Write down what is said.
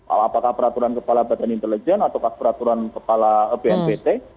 apakah peraturan kepala badan intelijen atau peraturan kepala bnpt